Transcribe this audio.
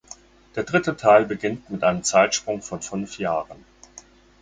Der dritte Teil beginnt mit einem Zeitsprung von fünf Jahren.